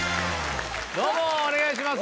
どうもお願いします。